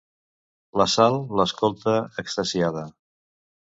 La Sal l'escolta extasiada.